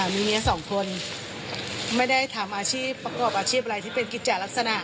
มีเมียสองคนไม่ได้ทำอาชีพประกอบอาชีพอะไรที่เป็นกิจจัดลักษณะ